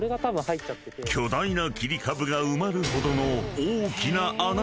［巨大な切り株が埋まるほどの］